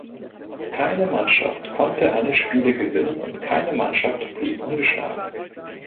Keine Mannschaft konnte alle Spiele gewinnen und keine Mannschaft blieb ungeschlagen.